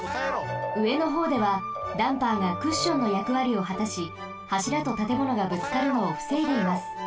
うえのほうではダンパーがクッションのやくわりをはたしはしらとたてものがぶつかるのをふせいでいます。